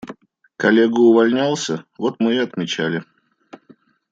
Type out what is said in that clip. Коллега увольнялся, вот мы и отмечали.